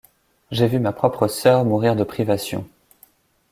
J'ai vu ma propre sœur mourir de privations.